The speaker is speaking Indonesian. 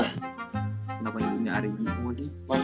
kenapa punya ari gi semua sih